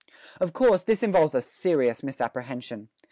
Of course, this involves a serious misapprehension.